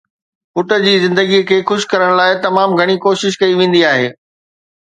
پٽ جي زندگيءَ کي خوش ڪرڻ لاءِ تمام گهڻي ڪوشش ڪئي ويندي آهي